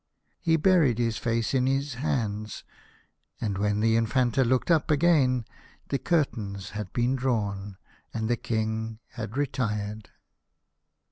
He buried his face in his hands, and when the Infanta looked up again the cur tains had been drawn, and the King had retired.